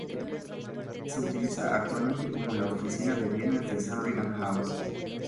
Se utiliza actualmente como la Oficina de Bienes de Sandringham House.